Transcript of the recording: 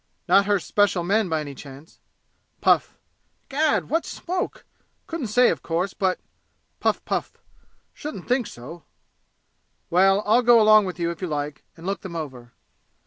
"Not her special men by any chance?" Puff "Gad, what smoke! couldn't say, of course, but" puff puff "shouldn't think so." "Well I'll go along with you if you like, and look them over."